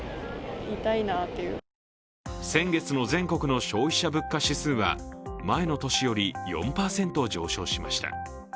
先月の全国の消費者物価指数は前の年より４％上昇しました。